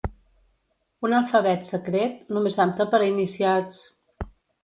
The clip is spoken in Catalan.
Un alfabet secret, només apte per a iniciats...